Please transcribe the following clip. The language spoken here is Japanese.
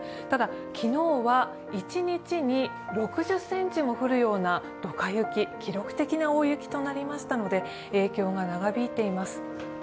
ただ、昨日は一日に６０ｃｍも降るようなどか雪、記録的な大雪となりましたので影響が長引いています。